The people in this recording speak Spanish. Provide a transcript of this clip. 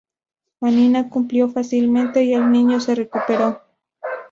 Hanina cumplió fácilmente, y el niño se recuperó.